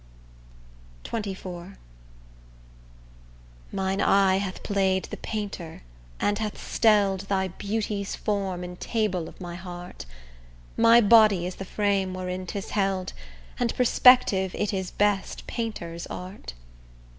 XXIV Mine eye hath play'd the painter and hath stell'd, Thy beauty's form in table of my heart; My body is the frame wherein 'tis held, And perspective it is best painter's art.